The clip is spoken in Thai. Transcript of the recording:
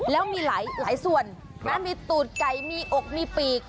แล้วมีหลายส่วนนะมีตูดไก่มีอกมีปีก